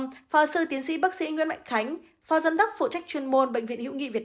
phó sư tiến sĩ bác sĩ nguyễn mạnh khánh phó giám đốc phụ trách chuyên môn bệnh viện hữu nghị việt